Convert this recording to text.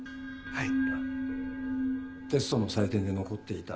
はい。